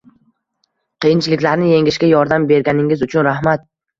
Qiyinchiliklarni yengishga yordam berganingiz uchun rahmat.